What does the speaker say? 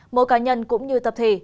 mỗi cá nhân cũng như tập thể